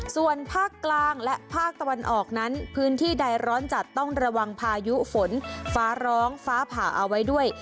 ส่วนภาคกลางและภาคตะวันออกนั้นพื้นที่ใดร้อนจัดต้องระวังพายุฝนฟ้าร้องฟ้าผ่าเอาไว้ด้วย